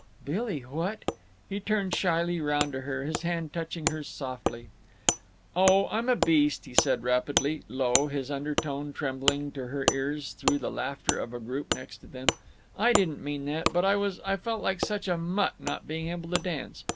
"Billy, what—" He turned shyly around to her; his hand touched hers softly. "Oh, I'm a beast," he said, rapidly, low, his undertone trembling to her ears through the laughter of a group next to them. "I didn't mean that, but I was—I felt like such a mutt—not being able to dance.